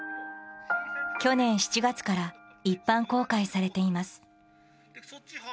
去年７月から一般公開されています。